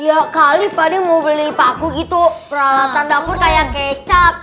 aku gitu peralatan dapur kayak kecap